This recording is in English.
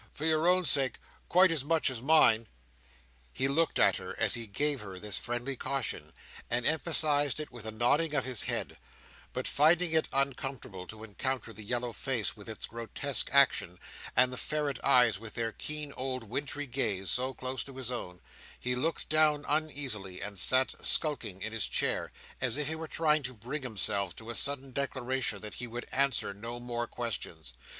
"For your own sake, quite as much as mine." He looked at her as he gave her this friendly caution, and emphasized it with a nodding of his head; but finding it uncomfortable to encounter the yellow face with its grotesque action, and the ferret eyes with their keen old wintry gaze, so close to his own, he looked down uneasily and sat skulking in his chair, as if he were trying to bring himself to a sullen declaration that he would answer no more questions.